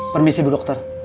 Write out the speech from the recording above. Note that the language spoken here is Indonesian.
permisi bu dokter